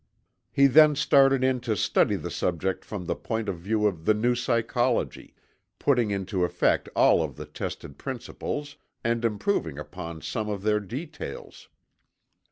He then started in to study the subject from the point of view of The New Psychology, putting into effect all of the tested principles, and improving upon some of their details.